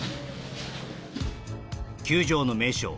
球場の名所